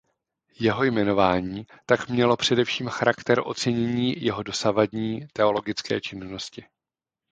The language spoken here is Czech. Jeho jmenování tak mělo především charakter ocenění jeho dosavadní teologické činnosti.